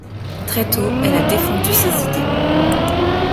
Très tôt, elle a défendu ses idées.